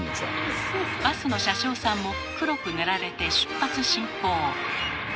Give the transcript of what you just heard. バスの車掌さんも黒く塗られて出発進行。